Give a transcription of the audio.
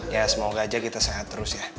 ya semoga aja kita sehat terus ya